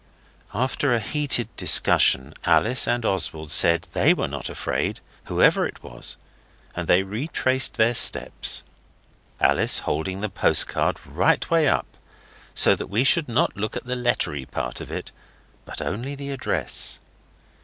After a heated discussion, Alice and Oswald said they were not afraid, whoever was, and they retraced their steps, Alice holding the postcard right way up, so that we should not look at the lettery part of it, but only the address.